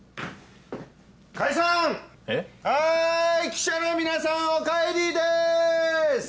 記者の皆さんお帰りです！